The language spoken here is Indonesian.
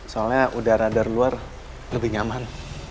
soalnya udara dari luar lebih nyaman